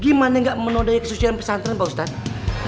gimana gak menodai kesucian pesantren ustadz